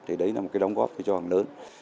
thì đấy là một cái đóng góp tôi cho rằng lớn